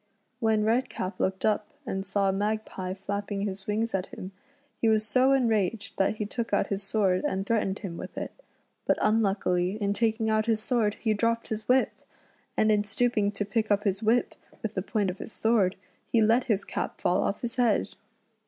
When Redcap looked up and saw Magpie flapping his wings at him, he was so enraged that he took out his sword and threatened him with it ; but unluckily in taking out his sword he dropped his whip, and in stooping to pick up his whip with the point of his sword, he let his cap fall off his head.